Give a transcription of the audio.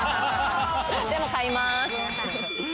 でも買います！